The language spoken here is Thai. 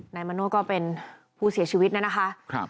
นายมโนธก็เป็นผู้เสียชีวิตนะคะ